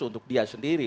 untuk dia sendiri